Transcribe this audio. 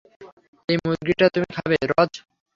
এই মুরগীটা তুমি খাবে, রজ!